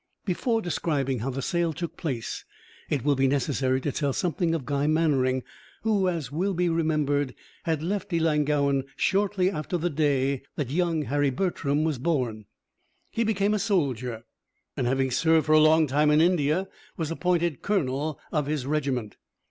Before describing how the sale took place, it will be necessary to tell something of Guy Mannering, who, as will be remembered, had left Ellangowan shortly after the day that young Harry Bertram was born. He became a soldier; and having served for a long time in India, was appointed colonel of his regiment.